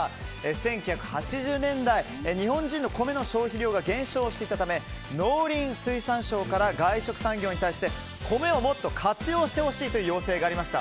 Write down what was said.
１９８０年代日本人の米の消費量が減少していたため農林水産省から外食産業に対して米をもっと活用してほしいという要請がありました。